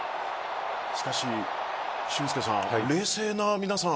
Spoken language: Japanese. しかし俊輔さん